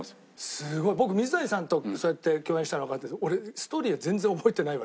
すごい僕水谷さんとそうやって共演したのはわかってるんですけど俺。